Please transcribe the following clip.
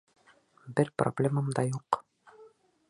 Бер проблемам да юҡ.